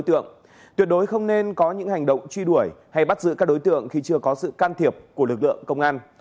trong đó có những hành động truy đuổi hay bắt giữ các đối tượng khi chưa có sự can thiệp của lực lượng công an